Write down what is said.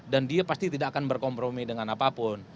dan dia pasti tidak akan berkompromi dengan apapun